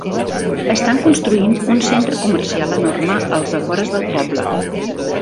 Estan construint un centre comercial enorme als afores del poble.